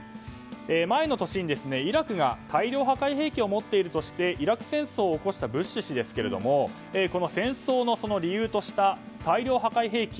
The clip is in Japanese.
前の年にイラクが大量破壊兵器を持っているとしてイラク戦争を起こしたブッシュ氏ですがこの戦争の理由とした大量破壊兵器。